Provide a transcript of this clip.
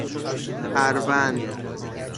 اَروند